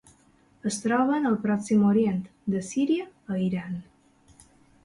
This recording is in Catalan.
Es troben al Pròxim Orient, de Síria a Iran.